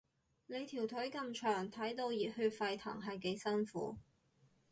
你條腿咁長，睇到熱血沸騰係幾辛苦